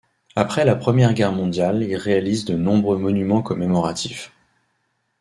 Après la Première Guerre mondiale il réalise de nombreux monuments commémoratifs.